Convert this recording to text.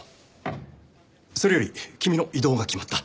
それより君の異動が決まった。